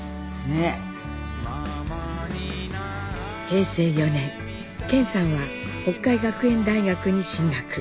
平成４年顕さんは北海学園大学に進学。